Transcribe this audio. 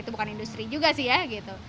bukan industri juga sih ya